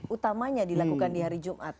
utamanya dilakukan di hari jumat